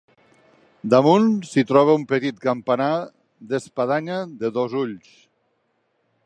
Damunt s'hi troba un petit campanar d'espadanya de dos ulls.